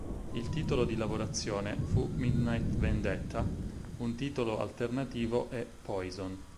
Il titolo di lavorazione fu "Midnight Vendetta", un titolo alternativo è "Poison".